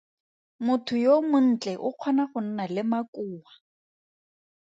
Motho yo montle o kgona go nna le makoa.